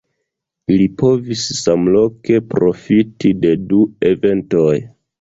Ili povis samloke profiti de du eventoj.